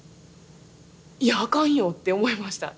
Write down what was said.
いやあかんよって思いました。